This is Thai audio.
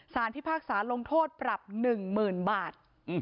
สารพิพากษาลงโทษปรับหนึ่งหมื่นบาท